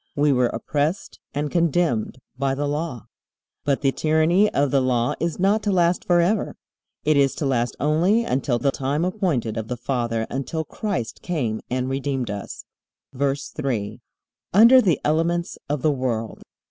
We were oppressed and condemned by the Law. But the tyranny of the Law is not to last forever. It is to last only until "the time appointed of the father," until Christ came and redeemed us. VERSE 3. Under the elements of the world.